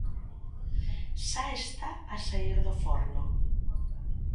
Xa está a saír do forno.